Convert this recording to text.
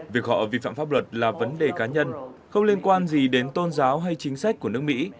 việc họ vi phạm pháp luật là vấn đề cá nhân không liên quan gì đến tôn giáo hay chính sách của nước mỹ